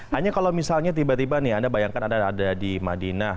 hanya kalau misalnya tiba tiba nih anda bayangkan anda ada di madinah